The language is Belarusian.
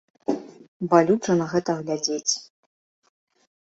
Балюча на гэта глядзець.